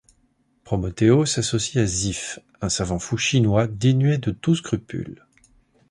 Promotéo s’associe à Zif, un savant fou chinois dénué de tous scrupules.